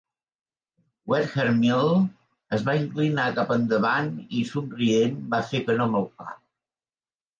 Wethermill es va inclinar cap endavant i, somrient, va fer que no amb el cap.